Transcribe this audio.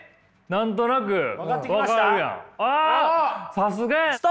さすがや。